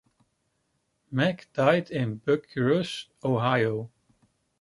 Mack died in Bucyrus, Ohio.